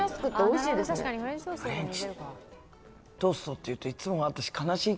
っていうといつも私。